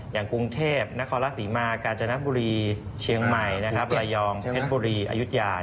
อย่างกรุงเทพนครราชศรีมากาญจนบุรีเชียงใหม่ระยองเพชรบุรีอายุทยา